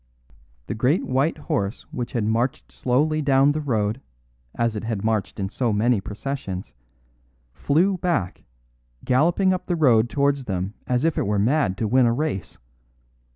"The great white horse which had marched slowly down the road, as it had marched in so many processions, flew back, galloping up the road towards them as if it were mad to win a race.